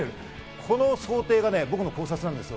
この想定が僕の考察なんです。